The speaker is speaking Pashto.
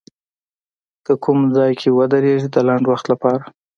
که کوم ځای کې ودرېږي د لنډ وخت لپاره